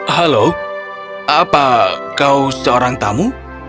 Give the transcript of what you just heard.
halo apa kau seorang tamu